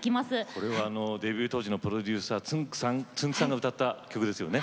これはデビュー当時のプロデューサーつんく♂さんが歌った曲ですよね。